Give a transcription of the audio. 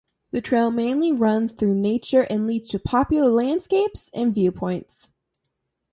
The trail mainly runs through nature and leads to popular landscapes and viewpoints.